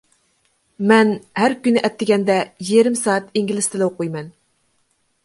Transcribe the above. مەن ھەر كۈنى ئەتىگەندە يېرىم سائەت ئىنگلىز تىلى ئوقۇيمەن.